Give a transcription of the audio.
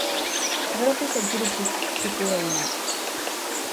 V Evropě se k judu přistupuje jinak.